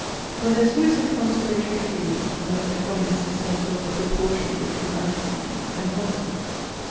For there is always a consolatory feeling that accompanies the sense of a proportion between antecedents and consequents.